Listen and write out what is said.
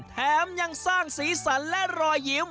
แถมยังสร้างสีสันและรอยยิ้ม